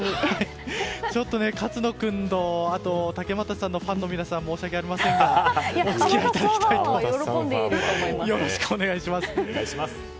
ちょっと勝野君と竹俣さんのファンの皆さん申し訳ありませんがお付き合いいただきたいと思います。